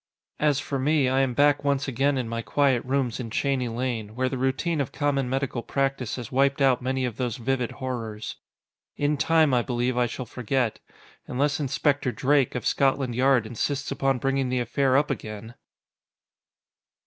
As for me, I am back once again in my quiet rooms in Cheney Lane, where the routine of common medical practice has wiped out many of those vivid horrors. In time, I believe, I shall forget, unless Inspector Drake, of Scotland Yard, insists upon bringing the affair up again!